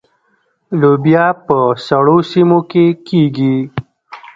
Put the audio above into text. لوبیا په سړو سیمو کې کیږي.